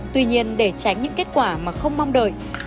tuy nhiên để tránh những kết quả mà không mong đợi